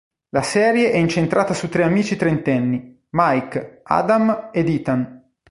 La serie è incentrata su tre amici trentenni: Mike, Adam ed Ethan.